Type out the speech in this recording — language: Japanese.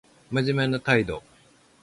真面目な態度